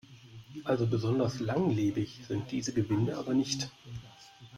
Also besonders langlebig sind diese Gewinde aber nicht.